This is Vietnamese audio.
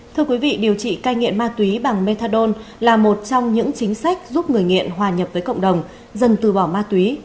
thưa quý vị điều trị cai nghiện ma túy bằng methadone là một trong những chính sách giúp người nghiện hòa nhập với cộng đồng dần từ bỏ ma túy